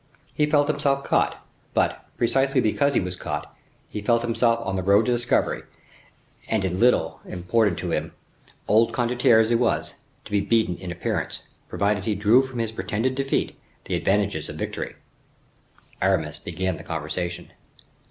He felt himself caught; but, precisely because he was caught he felt himself on the road to discovery, and it little imported to him, old condottiere as he was, to be beaten in appearance, provided he drew from his pretended defeat the advantages of victory. Aramis began the conversation.